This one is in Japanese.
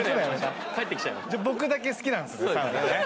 じゃあ僕だけ好きなんですね